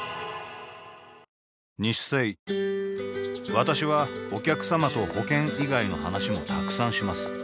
私はお客様と保険以外の話もたくさんします